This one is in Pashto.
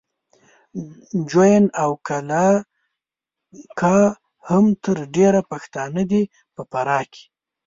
جوین او قلعه کا هم تر ډېره پښتانه دي په فراه کې